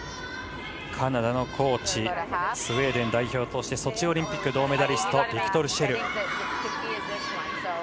カナダのコーチスウェーデン代表としてソチオリンピック銅メダリストビクトル・シェル。